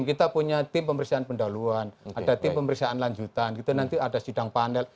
kita punya tim pemeriksaan pendahuluan ada tim pemeriksaan lanjutan gitu nanti ada sidang panel